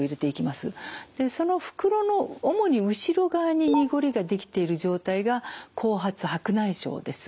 でその袋の主に後ろ側に濁りが出来てる状態が後発白内障です。